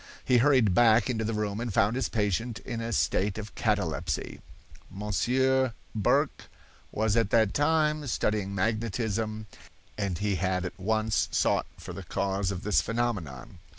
He hurried back into the room and found his patient in a state of catalepsy. Monsieur Burq was at that time studying magnetism, and he at once sought for the cause of this phenomenon.